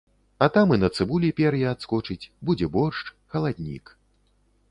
А там і на цыбулі пер'е адскочыць, будзе боршч, халаднік.